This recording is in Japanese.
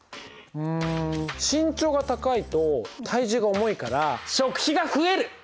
うん身長が高いと体重が重いから食費が増える！